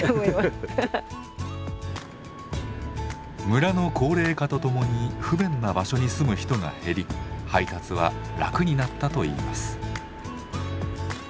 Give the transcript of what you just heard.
村の高齢化とともに不便な場所に住む人が減り配達は楽になったといいます。